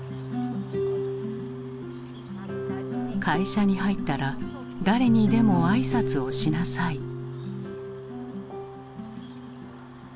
会社に入ったら誰にでも挨拶をしなさい。